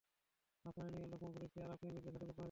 আপনারে নিয়া লখনও ঘুরতেসি, আর আপনি মির্জার সাথে গোপনে দেখা করেন।